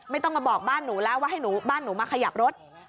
ไม่ต้องมาบอกบ้านหนูแล้วว่าให้บ้านหนูมาขยับรถ